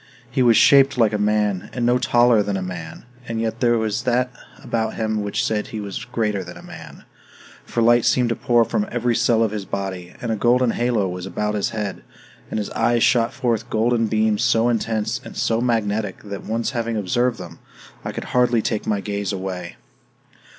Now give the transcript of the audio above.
He was shaped like a man, and was no taller than a man, and yet there was that about him which said that he was greater than a man, for light seemed to pour from every cell of his body, and a golden halo was about his head, and his eyes shot forth golden beams so intense and so magnetic that, once having observed them, I could hardly take my gaze away.